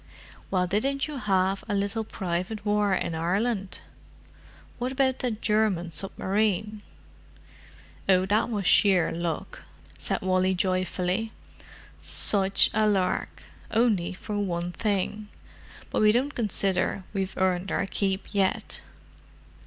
"Well, didn't you have a little private war in Ireland? What about that German submarine?" "Oh, that was sheer luck," said Wally joyfully. "Such a lark—only for one thing. But we don't consider we've earned our keep yet."